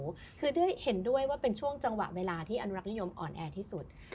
ก็คือเห็นด้วยว่าเป็นช่วงจังหวะเวลาที่อนุรักษ์นิยมอ่อนแอที่สุด